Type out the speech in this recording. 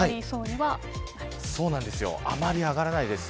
あまり上がらないです。